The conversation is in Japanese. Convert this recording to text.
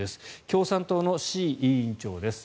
共産党の志位委員長です。